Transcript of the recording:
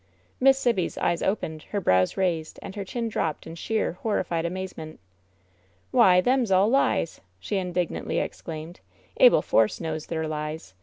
WHEN SHADOWS DIE 186 Miss Sibby's eyes opened, her brows raised, and her chin dropped in sheer horrified amazement. "Why, themes all lies!'' she indignantly exclaimed. '^Abel Force knows they're lies